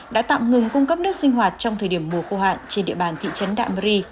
đã tạm ngừng cung cấp nước sinh hoạt trong thời điểm mùa khô hạn trên địa bàn thị trấn đạm rê